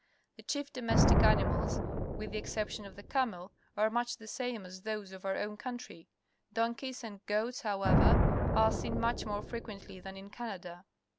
The chief domestic animals, with the excep tion of the camel, are much the same as those of our own country. Donkeys and goats, however, are seen much more frequently than in Canada.